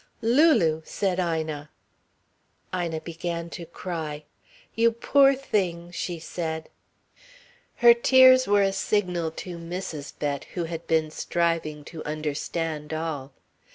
"Lulu!" said Ina. Ina began to cry. "You poor thing!" she said. Her tears were a signal to Mrs. Bett, who had been striving to understand all.